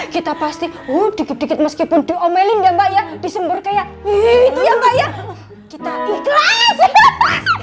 kita pasti wuh dikit dikit meskipun diomelin ya mbak ya disembur kayak gitu ya mbak ya kita ikhlas